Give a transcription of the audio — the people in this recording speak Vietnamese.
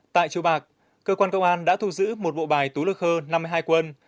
tại chùa bạc cơ quan công an đã thu giữ một bộ bài tú lực khơ năm mươi hai quân